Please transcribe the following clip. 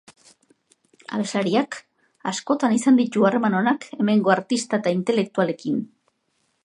Abeslariak askotan izan ditu harreman onak hemengo artista eta intelektualekin.